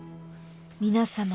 皆様